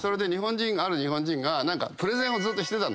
ある日本人がプレゼンをずっとしてた。